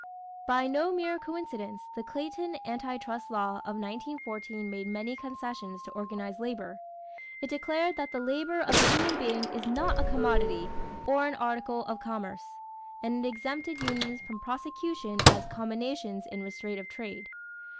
= By no mere coincidence, the Clayton Anti trust law of 1914 made many concessions to organized labor. It declared that "the labor of a human being is not a commodity or an article of commerce," and it exempted unions from prosecution as "combinations in restraint of trade."